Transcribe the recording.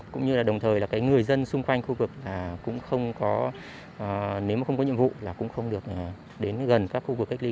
cũng như đồng thời người dân xung quanh khu vực nếu không có nhiệm vụ cũng không được đến gần các khu vực cách ly